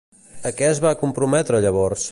A què es va comprometre llavors?